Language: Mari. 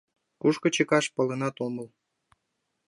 Кушко чыкаш — паленат омыл.